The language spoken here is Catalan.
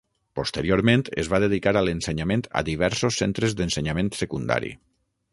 Posteriorment es va dedicar a l'ensenyament a diversos centres d'ensenyament secundari.